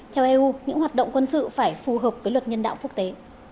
theo eu những hoạt động quân sự phải phù hợp với luật nhân đạo quốc tế